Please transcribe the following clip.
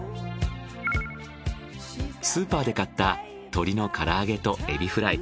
スーパーで買った鶏の唐揚げとエビフライ。